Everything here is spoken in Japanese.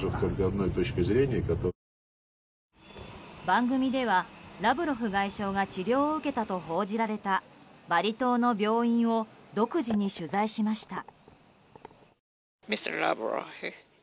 番組では、ラブロフ外相が治療を受けたと報じられたバリ島の病院を独自に取材しました。